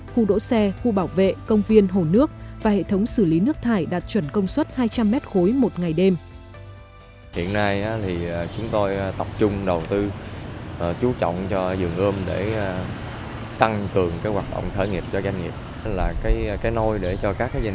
khu đỗ xe khu bảo vệ công viên hồ nước và hệ thống xử lý nước thải đạt chuẩn công suất hai trăm linh m ba một ngày đêm